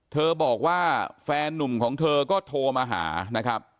บอกว่าแฟนนุ่มของเธอก็โทรมาหานะครับ